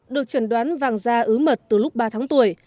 được trần đoán vàng da ứ mật từ lúc ba tháng tuổi